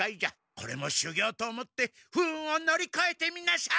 これもしゅぎょうと思って不運を乗りこえてみなさい！